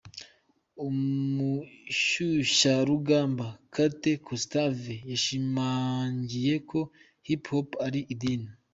Umushyushyarugamba Kate Gustave yashimangiye ko Hip Hop ari idini.